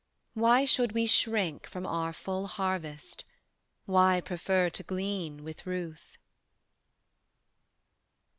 Why should we shrink from our full harvest? why Prefer to glean with Ruth?